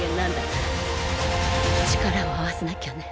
力を合わせなきゃね。